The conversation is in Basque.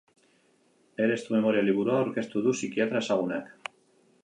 Eres tu memoria liburua aurkeztuko du psikiatra ezagunak.